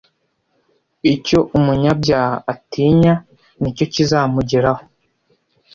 icyo umunyabyaha atinya ni cyo kizamugeraho,